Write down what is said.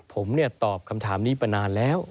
ผมตอบคำถามนี้มานานแล้ว